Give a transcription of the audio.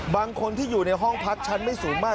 บางคนที่อยู่ในห้องพักชั้นไม่สูงมาก